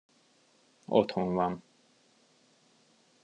Otthon van.